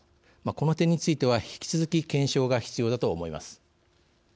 この点については、引き続き検証が必要だと思います。